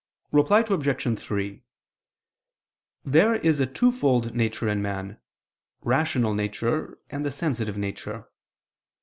Reply Obj. 3: There is a twofold nature in man, rational nature, and the sensitive nature.